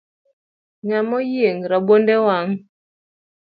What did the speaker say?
Ngama oyieng rabuonde wang